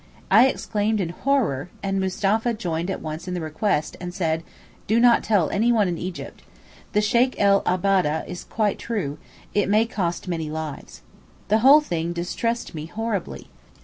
I exclaimed in horror, and Mustapha joined at once in the request, and said, 'Do not tell anyone in Egypt. The Sheykh el Ababdeh is quite true; it might cost many lives.' The whole thing distressed me horribly.